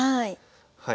はい。